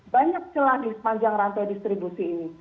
banyak celah di sepanjang rantai distribusi ini